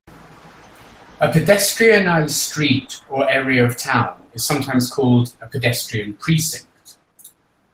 A pedestrianised street or area of a town is sometimes called a "pedestrian precinct".